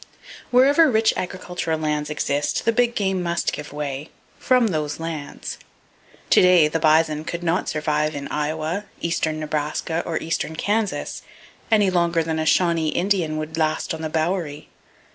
Wherever rich agricultural lands exist, the big game must give way,—from those lands. To day the bison could not survive in Iowa, eastern Nebraska or eastern Kansas, any longer than a Shawnee Indian would last on the Bowery.